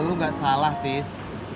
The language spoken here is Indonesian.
lu gak salah tis